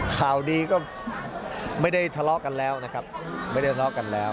ข่าวดีก็ไม่ได้ทะเลาะกันแล้วนะครับไม่ได้ทะเลาะกันแล้ว